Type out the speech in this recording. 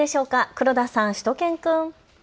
黒田さん、しゅと犬くん。